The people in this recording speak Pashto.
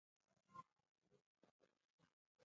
د کمېسیون مشر په لړزانه لاسونو د صندوقونو لاک خلاصوي.